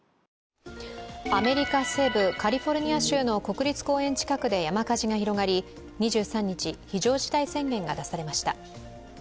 アメリカ西部カリフォルニア州の国立公園近くで山火事が広がり２３日、非常事態宣言が出されました。